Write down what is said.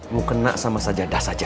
mau kena sama sajadah saja